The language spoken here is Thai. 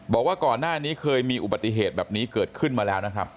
บอกว่าก่อนหน้านี้เคยมีอุบัติเหตุแบบนี้เกิดขึ้นมาแล้วนะครับ